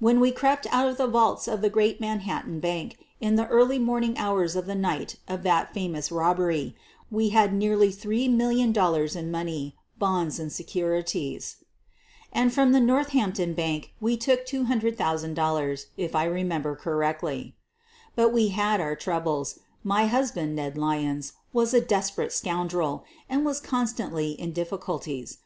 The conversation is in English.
When we crept out of the vaults of the great Manhattan Bank in the early morning hours of the night of that fa f mous robbery, we had nearly $3,000,000 in money,' bonds and securities. And from the Northampton Bank we took $200,000, if I remember correctly. But we had our troubles. My husband, Ned Ly ons, was a desperate scoundrel, and was constantly in difficulties.